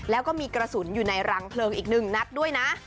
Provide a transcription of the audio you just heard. แล้วก็มีกระสุนอยู่ในรังเพลิงอีก๑นัดด้วยนะ